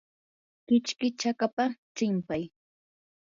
kichki chakapa tsinpay.